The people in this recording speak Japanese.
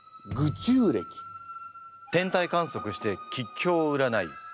天体観測して吉凶を占い